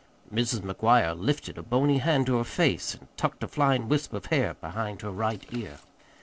Mrs. McGuire lifted a bony hand to her face and tucked a flying wisp of hair behind her right ear.